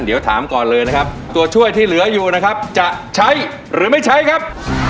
เดี๋ยวถามก่อนเลยนะครับตัวช่วยที่เหลืออยู่นะครับจะใช้หรือไม่ใช้ครับ